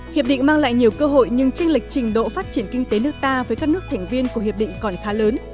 hiệp định mang lại nhiều cơ hội nhưng tranh lịch trình độ phát triển kinh tế nước ta với các nước thành viên của hiệp định còn khá lớn